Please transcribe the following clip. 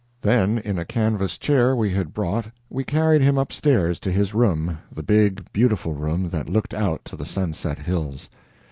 Then in a canvas chair we had brought we carried him up stairs to his room the big, beautiful room that looked out to the sunset hills.